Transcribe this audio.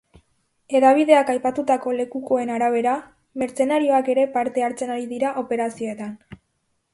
Hedabideak aipatutako lekukoen arabera, mertzenarioak ere parte hartzen ari dira operazioetan.